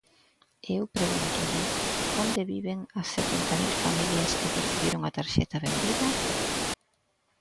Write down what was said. E eu pregúntolle: ¿onde viven as setenta mil familias que percibiron a Tarxeta Benvida?